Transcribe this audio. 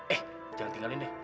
eh jangan tinggalin deh